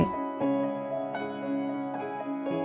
ที่บ้านก็ต้องพาลูกพะเมียไปเก็บหอยงมหอยมั่ง